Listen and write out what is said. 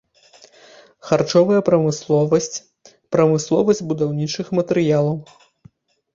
Харчовая прамысловасць, прамысловасць будаўнічых матэрыялаў.